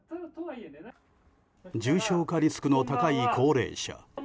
重症化リスクの高い高齢者。